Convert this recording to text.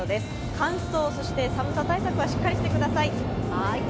乾燥、そして寒さ対策はしっかりしてください。